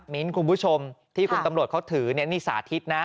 มิ้นท์คุณผู้ชมที่คุณตำรวจเขาถือนี่สาธิตนะ